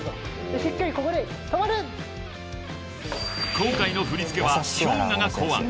［今回の振り付けはＨｙＯｇＡが考案］